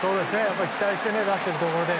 期待して出してるところで。